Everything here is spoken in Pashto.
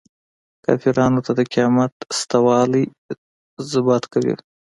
کافرانو ته د قیامت شته والی ازبات کړي.